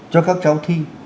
cho các cháu thi